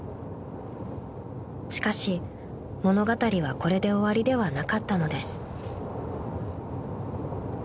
［しかし物語はこれで終わりではなかったのです］